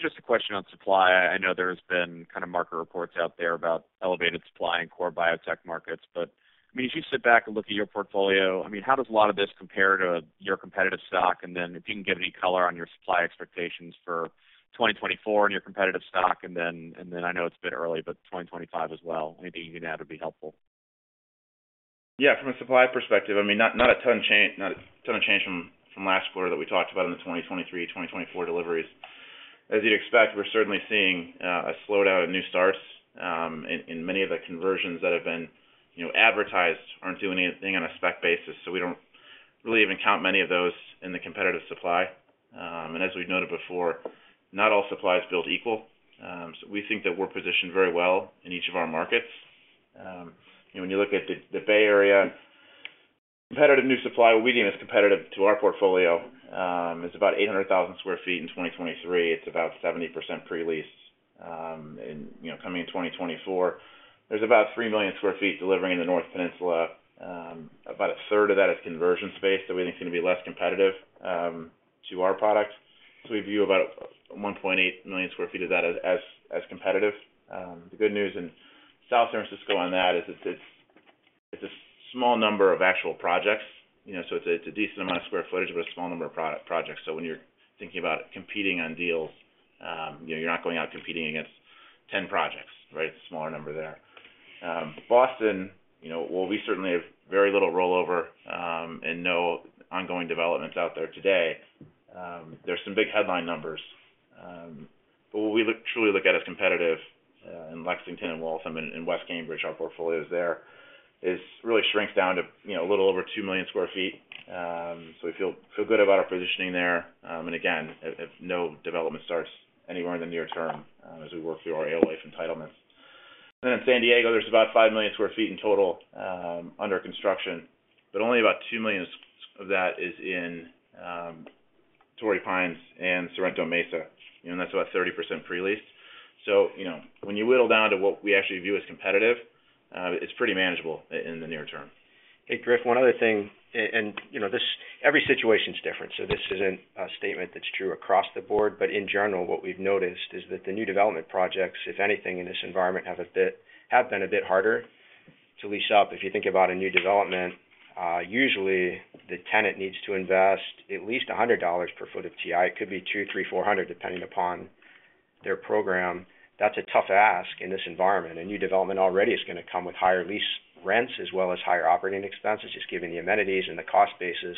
just a question on supply. I know there's been kind of market reports out there about elevated supply in core biotech markets, I mean, as you sit back and look at your portfolio, I mean, how does a lot of this compare to your competitive stock? Then if you can give any color on your supply expectations for 2024 and your competitive stock, then, and then I know it's a bit early, but 2025 as well. Maybe even that would be helpful. Yeah, from a supply perspective, I mean, not, not a ton change, not a ton of change from last quarter that we talked about in the 2023, 2024 deliveries. As you'd expect, we're certainly seeing a slowdown in new starts, in many of the conversions that have been, you know, advertised, aren't doing anything on a spec basis, so we don't really even count many of those in the competitive supply. As we've noted before, not all supply is built equal. We think that we're positioned very well in each of our markets. When you look at the Bay Area, competitive new supply, what we deem as competitive to our portfolio, is about 800,000 sq ft in 2023. It's about 70% pre-lease, and, you know, coming in 2024, there's about 3 million sq ft delivering in the North Peninsula. About a third of that is conversion space that we think is going to be less competitive to our product. We view about 1.8 million sq ft of that as competitive. The good news in San Francisco on that is it's, it's a small number of actual projects, you know, so it's a, it's a decent amount of square footage, but a small number of projects. When you're thinking about competing on deals, you know, you're not going out competing against 10 projects, right? Smaller number there. Boston, you know, well, we certainly have very little rollover, and no ongoing developments out there today. There's some big headline numbers, but what we truly look at as competitive in Lexington and Waltham and West Cambridge, our portfolios there, is really shrinks down to, you know, a little over 2 million sq ft. We feel, feel good about our positioning there, and again, if, if no development starts anywhere in the near term, as we work through our AO Life entitlements. In San Diego, there's about 5 million sq ft in total under construction, but only about 2 million of that is in Torrey Pines and Sorrento Mesa, and that's about 30% pre-leased. You know, when you whittle down to what we actually view as competitive, it's pretty manageable in the near term. Hey, Griff, one other thing, and, you know, this, every situation is different, this isn't a statement that's true across the board. In general, what we've noticed is that the new development projects, if anything, in this environment, have been a bit harder to lease up. If you think about a new development, usually the tenant needs to invest at least $100/ft of TI. It could be $200, $300, $400, depending upon their program. That's a tough ask in this environment. A new development already is going to come with higher lease rents as well as higher operating expenses, just given the amenities and the cost basis.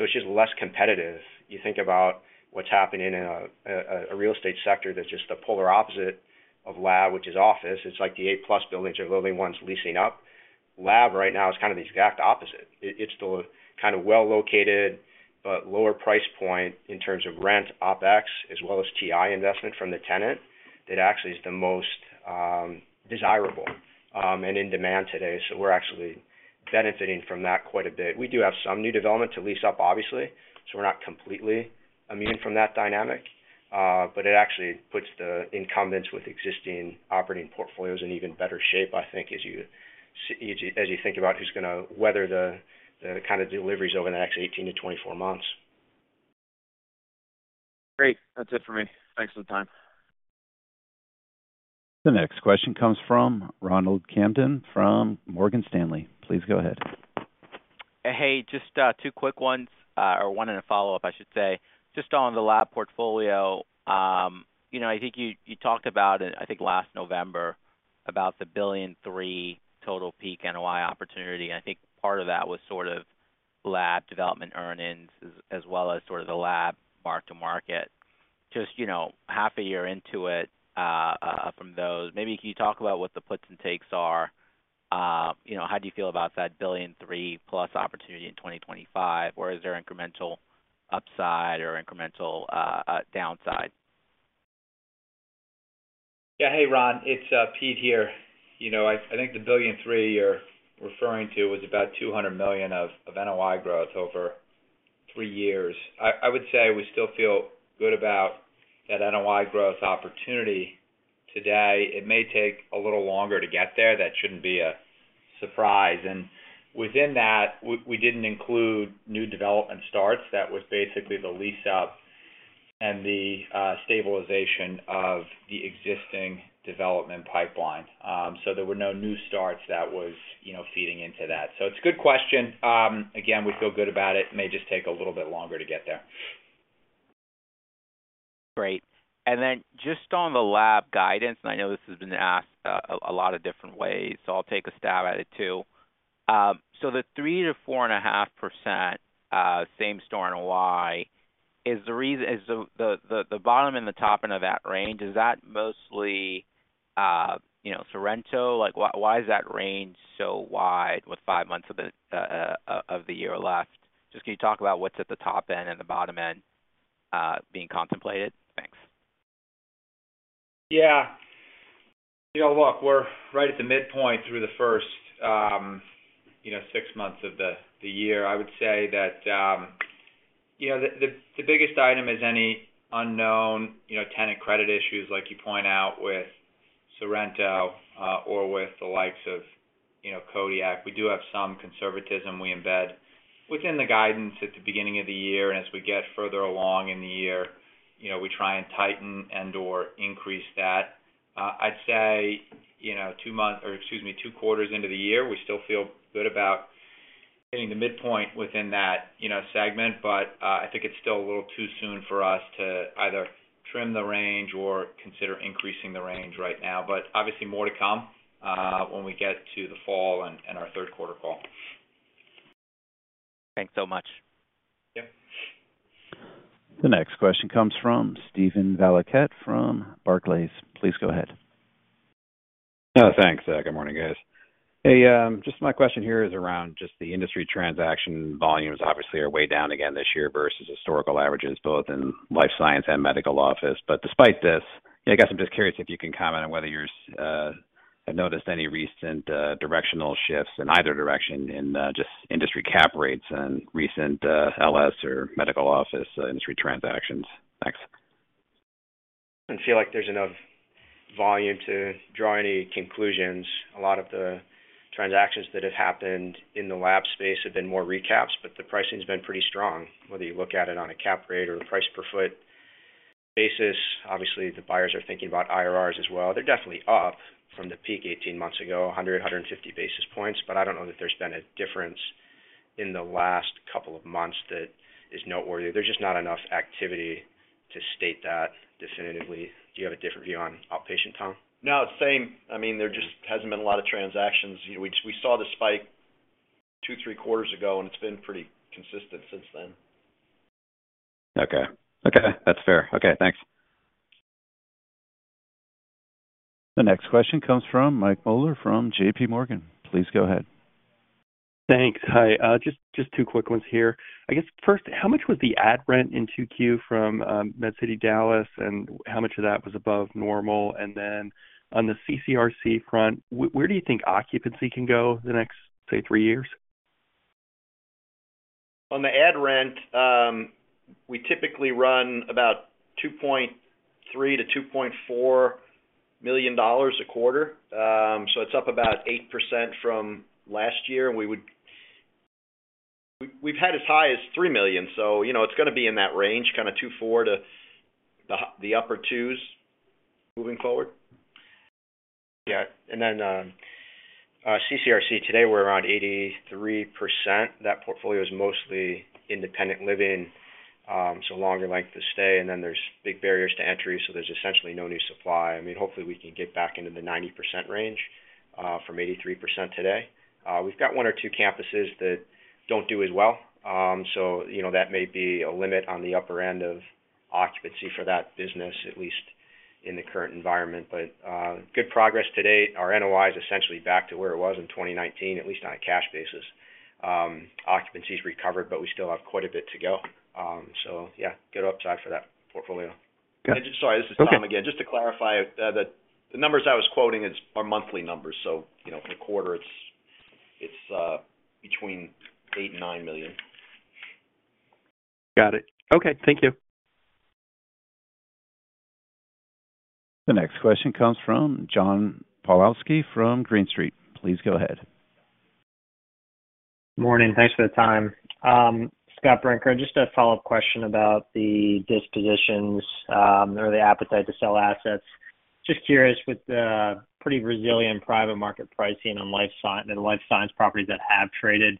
It's just less competitive. You think about what's happening in a, a, a real estate sector that's just the polar opposite of lab, which is office. It's like the 8+ buildings are the only ones leasing up. Lab right now is kind of the exact opposite. It, it's the kind of well located, but lower price point in terms of rent, OpEx, as well as TI investment from the tenant. It actually is the most desirable and in demand today, so we're actually benefiting from that quite a bit. We do have some new development to lease up, obviously, so we're not completely immune from that dynamic, but it actually puts the incumbents with existing operating portfolios in even better shape, I think, as you think about who's going to weather the kind of deliveries over the next 18-24 months. Great. That's it for me. Thanks for the time. The next question comes from Ronald Kamdem from Morgan Stanley. Please go ahead. Hey, just, two quick ones, or one in a follow-up, I should say. Just on the Lab portfolio, you know, I think you, you talked about, I think, last November, about the $1.3 billion total peak NOI opportunity. I think part of that was sort of Lab development earnings as, as well as sort of the Lab mark-to-market. Just, you know, half a year into it, from those, maybe can you talk about what the puts and takes are? you know, how do you feel about that $1.3 billion+ opportunity in 2025, or is there incremental upside or incremental, downside? Yeah. Hey, Ron, it's Pete here. You know, I, I think the $1.3 billion you're referring to was about $200 million of, of NOI growth over three years. I, I would say we still feel good about that NOI growth opportunity today. It may take a little longer to get there. That shouldn't be a surprise. Within that, we, we didn't include new development starts. That was basically the lease-up-... and the stabilization of the existing development pipeline. There were no new starts that was, you know, feeding into that. It's a good question. Again, we feel good about it. It may just take a little bit longer to get there. Great. Then just on the Lab guidance, I know this has been asked a lot of different ways, so I'll take a stab at it, too. The 3%-4.5% same store NOI, is the reason is the bottom and the top end of that range, is that mostly, you know, Sorrento? Like, why, why is that range so wide with five months of the year left? Just can you talk about what's at the top end and the bottom end being contemplated? Thanks. Yeah. You know, look, we're right at the midpoint through the first, you know, six months of the year. I would say that, you know, the biggest item is any unknown, you know, tenant credit issues, like you point out with Sorrento, or with the likes of, you know, Codiak. We do have some conservatism we embed within the guidance at the beginning of the year, and as we get further along in the year, you know, we try and tighten and/or increase that. I'd say, you know, two months, or excuse me, two quarters into the year, we still feel good about hitting the midpoint within that, you know, segment. I think it's still a little too soon for us to either trim the range or consider increasing the range right now. Obviously, more to come, when we get to the fall and our third quarter call. Thanks so much. Yeah. The next question comes from Steven Valiquette from Barclays. Please go ahead. Thanks. Good morning, guys. Hey, just my question here is around just the industry transaction volumes. Obviously, are way down again this year versus historical averages, both in Life Science and medical office. Despite this, I guess I'm just curious if you can comment on whether you're have noticed any recent directional shifts in either direction in just industry cap rates and recent LS or medical office industry transactions? Thanks. I don't feel like there's enough volume to draw any conclusions. A lot of the transactions that have happened in the Lab space have been more recaps, but the pricing's been pretty strong, whether you look at it on a cap rate or a price-per-foot basis. Obviously, the buyers are thinking about IRRs as well. They're definitely up from the peak 18 months ago, 100-150 basis points, but I don't know that there's been a difference in the last couple of months that is noteworthy. There's just not enough activity to state that definitively. Do you have a different view on outpatient, Tom? No, it's same. I mean, there just hasn't been a lot of transactions. You know, we, we saw the spike two, three quarters ago, and it's been pretty consistent since then. Okay. Okay, that's fair. Okay, thanks. The next question comes from Mike Mueller from JPMorgan. Please go ahead. Thanks. Hi, just two quick ones here. I guess, first, how much was the ad rent in Q2 from MedCity Dallas, and how much of that was above normal? On the CCRC front, where do you think occupancy can go the next, say, three years? On the ad rent, we typically run about $2.3 million-$2.4 million a quarter. It's up about 8% from last year, and we've had as high as $3 million, so, you know, it's gonna be in that range, kind of $2.4 million to the upper $2 million moving forward. Yeah, CCRC, today we're around 83%. That portfolio is mostly independent living, so longer length of stay, and then there's big barriers to entry, so there's essentially no new supply. I mean, hopefully, we can get back into the 90% range from 83% today. We've got one or two campuses that don't do as well. You know, that may be a limit on the upper end of occupancy for that business, at least in the current environment. Good progress to date. Our NOI is essentially back to where it was in 2019, at least on a cash basis. Occupancy's recovered, we still have quite a bit to go. Yeah, good upside for that portfolio. Got it. Sorry, this is Tom again. Just to clarify, the numbers I was quoting are monthly numbers, so, you know, in a quarter, it's between $8 million and $9 million. Got it. Okay, thank you. The next question comes from John Pawlowski from Green Street. Please go ahead. Morning. Thanks for the time. Scott Brinker, just a follow-up question about the dispositions, or the appetite to sell assets. Just curious, with the pretty resilient private market pricing on the Life Science properties that have traded,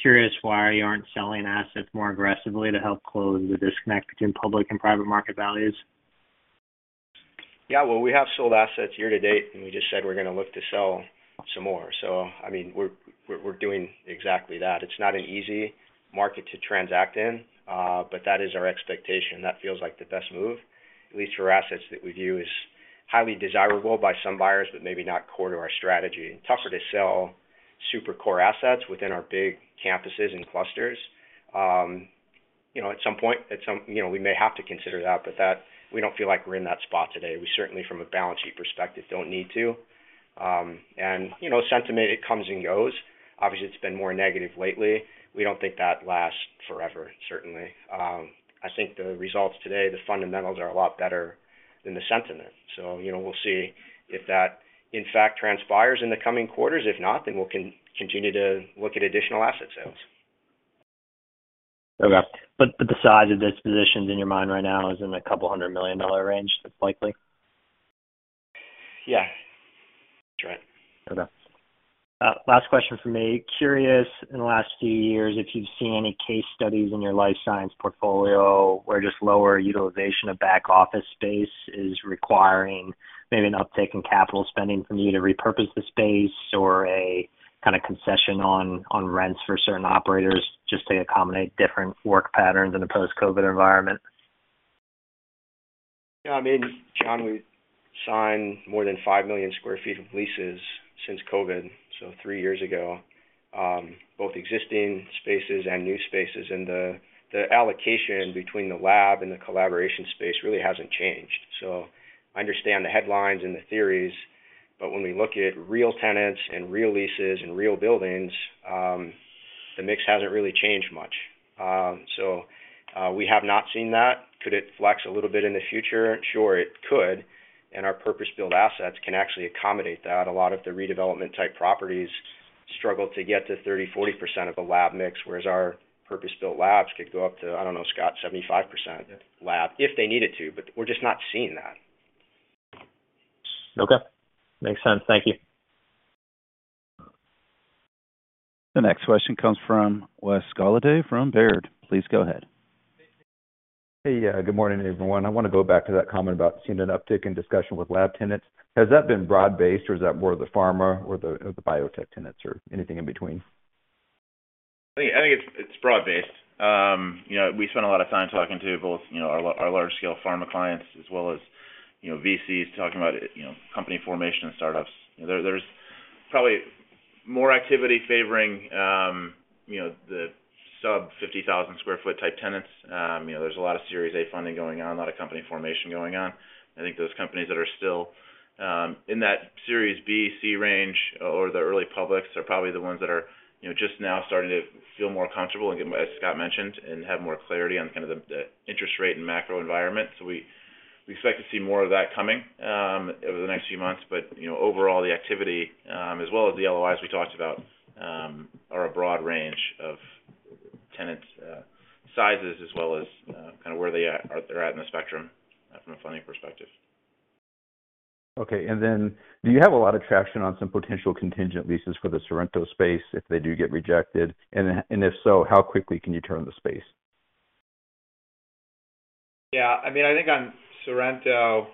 curious why you aren't selling assets more aggressively to help close the disconnect between public and private market values? Yeah, well, we have sold assets year-to-date. We just said we're gonna look to sell some more. I mean, we're, we're doing exactly that. It's not an easy market to transact in, but that is our expectation. That feels like the best move, at least for assets that we view as highly desirable by some buyers, but maybe not core to our strategy. Tougher to sell super core assets within our big campuses and clusters. You know, at some point, you know, we may have to consider that, but we don't feel like we're in that spot today. We certainly, from a balance sheet perspective, don't need to. You know, sentiment, it comes and goes. Obviously, it's been more negative lately. We don't think that lasts forever, certainly. I think the results today, the fundamentals are a lot better than the sentiment. You know, we'll see if that, in fact, transpires in the coming quarters. If not, we'll continue to look at additional asset sales. Okay. But the size of the dispositions in your mind right now is in the $200 million range, likely? Yeah, that's right. Okay. last question from me. Curious, in the last few years, if you've seen any case studies in your Life Science portfolio where just lower utilization of back office space is requiring maybe an uptick in capital spending from you to repurpose the space or a kind of concession on, on rents for certain operators just to accommodate different work patterns in a post-COVID environment? Yeah, I mean, John, we signed more than 5 million sq ft of leases since COVID, so three years ago, both existing spaces and new spaces, and the, the allocation between the Lab and the collaboration space really hasn't changed. I understand the headlines and the theories, but when we look at real tenants and real leases and real buildings, the mix hasn't really changed much. We have not seen that. Could it flex a little bit in the future? Sure, it could. Our purpose-built assets can actually accommodate that. A lot of the redevelopment-type properties struggle to get to 30%-40% of the Lab mix, whereas our purpose-built labs could go up to, I don't know, Scott, 75% Lab if they needed to, but we're just not seeing that. Okay. Makes sense. Thank you. The next question comes from Wes Golladay from Baird. Please go ahead. Hey, good morning, everyone. I wanna go back to that comment about seeing an uptick in discussion with Lab tenants. Has that been broad-based, or is that more the pharma or the, or the biotech tenants, or anything in between? I think, I think it's, it's broad-based. You know, we spent a lot of time talking to both, you know, our large-scale pharma clients, as well as, you know, VCs talking about, you know, company formation and startups. There, there's probably more activity favoring, you know, the sub 50,000 square foot type tenants. You know, there's a lot of Series A funding going on, a lot of company formation going on. I think those companies that are still in that Series B, C range or the early publics are probably the ones that are, you know, just now starting to feel more comfortable, and as Scott mentioned, and have more clarity on kind of the, the interest rate and macro environment. We, we expect to see more of that coming over the next few months. You know, overall, the activity, as well as the LOIs we talked about, are a broad range of tenants, sizes, as well as kind of where they are at, they're at in the spectrum from a funding perspective. Okay, do you have a lot of traction on some potential contingent leases for the Sorrento space if they do get rejected? If so, how quickly can you turn the space? Yeah, I mean, I think on Sorrento,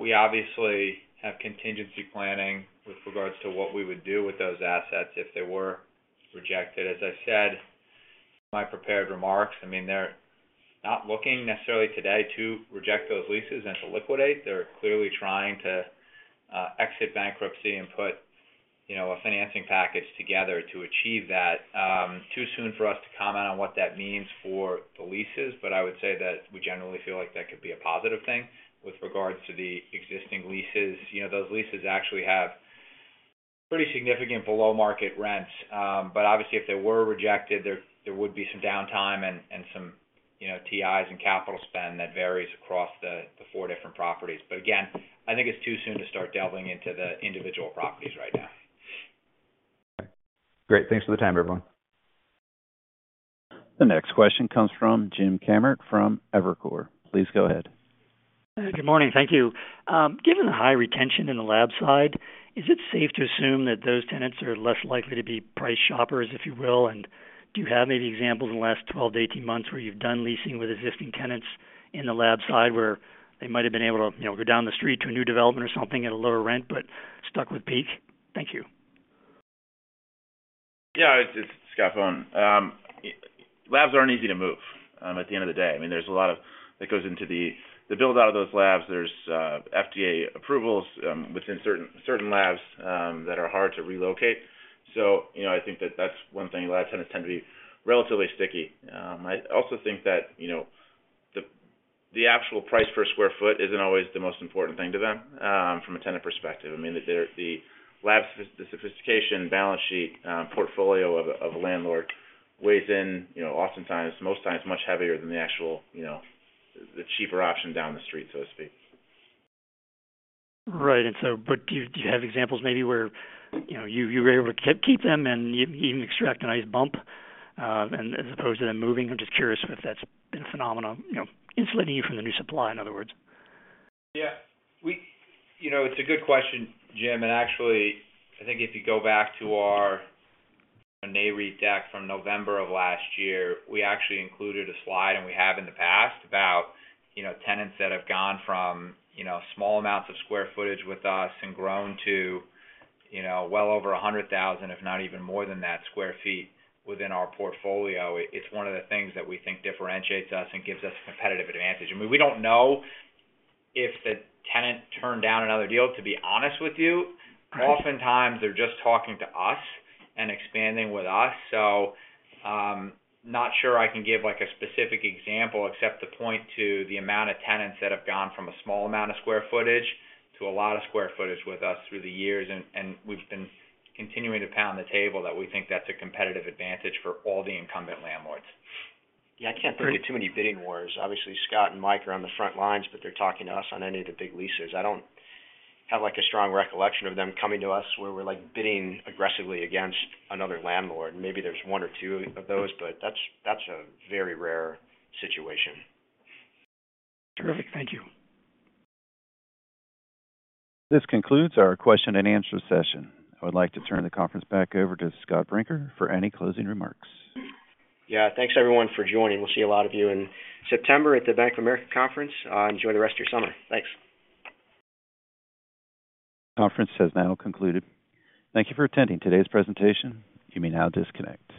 we obviously have contingency planning with regards to what we would do with those assets if they were rejected. As I said in my prepared remarks, I mean, they're not looking necessarily today to reject those leases and to liquidate. They're clearly trying to exit bankruptcy and put, you know, a financing package together to achieve that. Too soon for us to comment on what that means for the leases, but I would say that we generally feel like that could be a positive thing with regards to the existing leases. You know, those leases actually have pretty significant below-market rents, but obviously, if they were rejected, there, there would be some downtime and, and some, you know, TIs and capital spend that varies across the, the four different properties. Again, I think it's too soon to start delving into the individual properties right now. Great. Thanks for the time, everyone. The next question comes from Jim Kammert from Evercore. Please go ahead. Good morning. Thank you. Given the high retention in the Lab side, is it safe to assume that those tenants are less likely to be price shoppers, if you will? Do you have maybe examples in the last 12 to 18 months where you've done leasing with existing tenants in the Lab side, where they might have been able to, you know, go down the street to a new development or something at a lower rent, but stuck with Peak? Thank you. Yeah, it's, it's Scott Bohn. Labs aren't easy to move at the end of the day. I mean, there's a lot of that goes into the build-out of those labs. There's FDA approvals within certain, certain labs that are hard to relocate. You know, I think that that's one thing. Lab tenants tend to be relatively sticky. I also think that, you know, the actual price per square foot isn't always the most important thing to them from a tenant perspective. I mean, the sophistication, balance sheet, portfolio of a landlord weighs in, you know, oftentimes, most times, much heavier than the actual, you know, the cheaper option down the street, so to speak. Right. Do you, do you have examples maybe where, you know, you, you were able to keep, keep them, and you, you even extract a nice bump, and as opposed to them moving? I'm just curious if that's been a phenomenon, you know, insulating you from the new supply, in other words. Yeah. You know, it's a good question, Jim, and actually, I think if you go back to our Nareit deck from November 2022, we actually included a slide, and we have in the past, about, you know, tenants that have gone from, you know, small amounts of square footage with us and grown to, you know, well over 100,000, if not even more than that, square feet within our portfolio. It's one of the things that we think differentiates us and gives us a competitive advantage. I mean, we don't know if the tenant turned down another deal, to be honest with you. Right. Oftentimes, they're just talking to us and expanding with us. Not sure I can give, like, a specific example, except to point to the amount of tenants that have gone from a small amount of square footage to a lot of square footage with us through the years. We've been continuing to pound the table that we think that's a competitive advantage for all the incumbent landlords. Yeah, I can't think of too many bidding wars. Obviously, Scott and Mike are on the front lines, but they're talking to us on any of the big leases. I don't have, like, a strong recollection of them coming to us, where we're, like, bidding aggressively against another landlord. Maybe there's one or two of those, but that's, that's a very rare situation. Terrific. Thank you. This concludes our question and answer session. I would like to turn the conference back over to Scott Brinker for any closing remarks. Yeah. Thanks, everyone, for joining. We'll see a lot of you in September at the Bank of America conference. Enjoy the rest of your summer. Thanks. Conference has now concluded. Thank you for attending today's presentation. You may now disconnect.